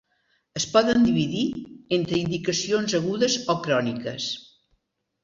Es poden dividir entre indicacions agudes o cròniques.